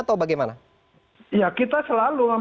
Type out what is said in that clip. atau bagaimana ya kita selalu